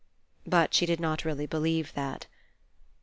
But she did not really believe that.